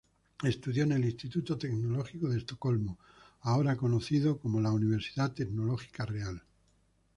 Estudió en el Instituto Tecnológico de Estocolmo, ahora conocida como la Universidad Tecnológica Real.